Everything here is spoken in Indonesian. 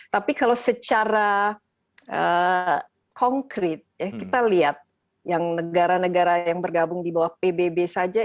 tapi kalau secara konkret kita lihat yang negara negara yang bergabung di bawah pbb saja